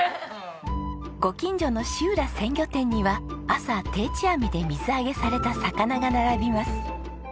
ご近所の志浦鮮魚店には朝定置網で水揚げされた魚が並びます。